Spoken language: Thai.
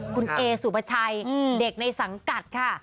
คุณเอสุปชัยเด็กในสังกัดค่ะ